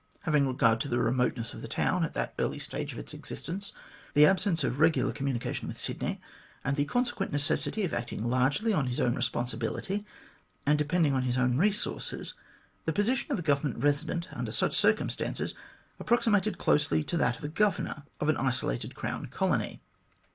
Having regard to the remoteness of the town at that early stage of its existence, the absence of regular communication with Sydney, and the consequent necessity of acting largely on his own responsibility and depending on his own resources, the position of a Government Eesident under such circum stances approximated closely to that of a Governor of an isolated Crown colony.